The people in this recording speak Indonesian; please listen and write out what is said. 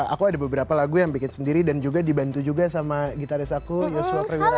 aku ada beberapa lagu yang bikin sendiri dan juga dibantu juga sama gitaris aku yosua priwira